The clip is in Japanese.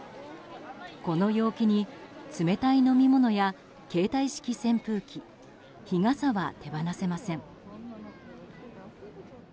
この陽気に冷たい飲み物や携帯式扇風機日傘は手放せません。